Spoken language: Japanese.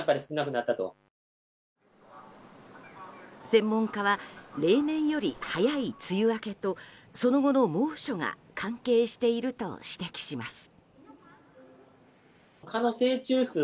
専門家は例年より早い梅雨明けとその後の猛暑が関係していると指摘します。